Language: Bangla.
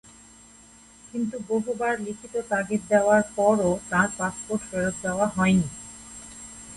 কিন্তু বহুবার লিখিত তাগিদ দেওয়ার পরও তাঁর পাসপোর্ট ফেরত দেওয়া হয়নি।